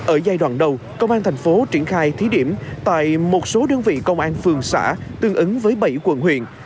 ở giai đoạn đầu công an thành phố triển khai thí điểm tại một số đơn vị công an phường xã tương ứng với bảy quận huyện